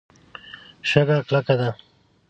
شګه کلکه ده.